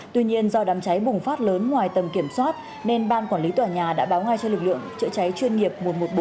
tuy nhiên do đám cháy bùng phát lớn ngoài tầm kiểm soát nên ban quản lý tòa nhà đã báo ngay cho lực lượng chữa cháy chuyên nghiệp một trăm một mươi bốn